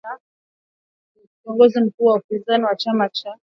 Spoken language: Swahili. kiongozi mkuu wa upinzani wa chama cha